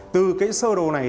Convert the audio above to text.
từ cái sơ đồ này